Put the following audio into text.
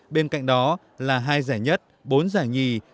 bên cạnh đó là hai giải nhất bốn giải nhì